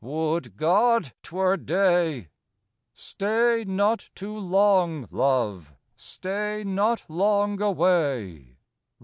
Would God 'twere day! II "Stay not too long, love, stay not long away!"